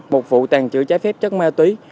một vụ tàn trữ trái phép chất ma túy